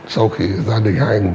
sau khi gia đình hai nghìn một mươi ba